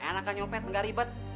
enak kan nyopet enggak ribet